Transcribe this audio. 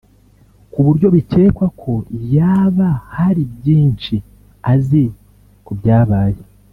ku buryo bikekwa ko yaba hari byinshi azi ku byabaye